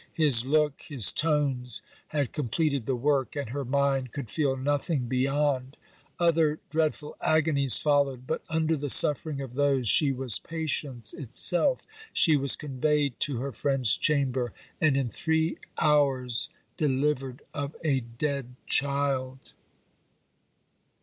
His look, his tones had completed the work, and her mind could feel nothing beyond. Other dreadful agonies followed, but under the suffering of those she was patience itself. She was conveyed to her friend's chamber; and in three hours delivered of a dead child.